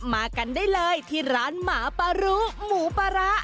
มากันได้เลยที่ร้านหมาปลารู้หมูปลาร้า